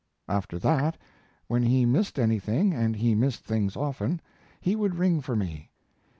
After that, when he missed anything and he missed things often he would ring for me.